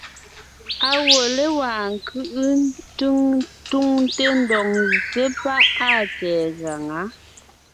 Á gwɔ́ légwá ńkʉ́ʼʉ ńtúŋte ńdɔg ńzsé páʼ áa tsɛ̀ɛ gaŋá.